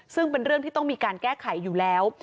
ซึ่งเป็นเรื่องที่ต้องมีการแก้ไขอยู่แล้ว